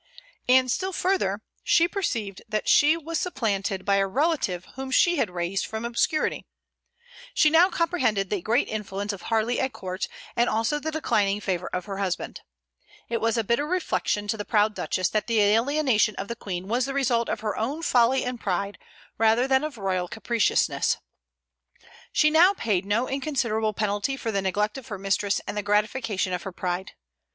And, still further, she perceived that she was supplanted by a relative whom she had raised from obscurity. She now comprehended the great influence of Harley at court, and also the declining favor of her husband. It was a bitter reflection to the proud Duchess that the alienation of the Queen was the result of her own folly and pride rather than of royal capriciousness. She now paid no inconsiderable penalty for the neglect of her mistress and the gratification of her pride.